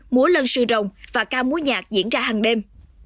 múa lân sư rồng và ca múa nhạc diễn ra hàng đêm